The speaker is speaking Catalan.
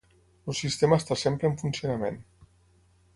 El sistema està sempre en funcionament.